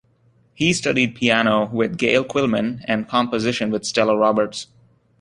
He studied piano with Gail Quillman and composition with Stella Roberts.